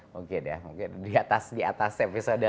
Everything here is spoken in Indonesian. mungkin di atas episode lima enam lah